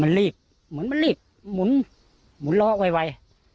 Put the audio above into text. มันรีบเหมือนว่ารีบหมุนล้อเว่ย